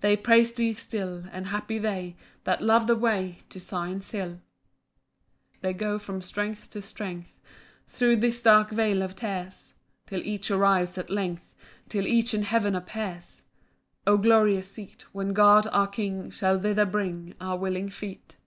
They praise thee still; And happy they That love the way To Zion's hill. 4 They go from strength to strength, Thro' this dark vale of tears, Till each arrives at length, Till each in heaven appears: O glorious seat, When God our king Shall thither bring Our willing feet!